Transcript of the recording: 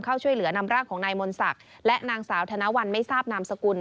เข้าช่วยเหลือนำร่างของนายมนศักดิ์และนางสาวธนวัลไม่ทราบนามสกุล